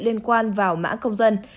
liên quan vào mã công dân